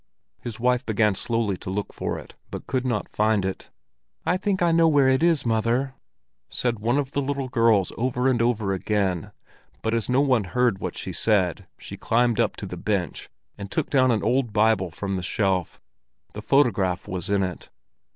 His wife began slowly to look for it, but could not find it. "I think I know where it is, mother," said one of the little girls over and over again; but as no one heard what she said, she climbed up on to the bench, and took down an old Bible from the shelf. The photograph was in it.